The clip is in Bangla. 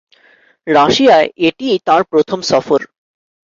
রাশিয়ায় এটিই তাঁর প্রথম সফর।